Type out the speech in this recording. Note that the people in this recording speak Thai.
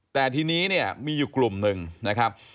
แต่ทีนี้เนี่ยมีอยู่กลุ่มหนึ่งนะครับ